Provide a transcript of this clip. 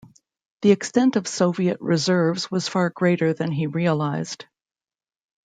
The extent of Soviet reserves was far greater than he realised.